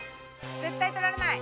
絶対取られない。